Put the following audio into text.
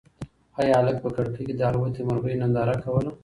ایا هلک په کړکۍ کې د الوتی مرغۍ ننداره کوله؟